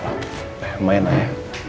lumayan lah ya